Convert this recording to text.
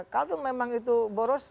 kalau memang itu boros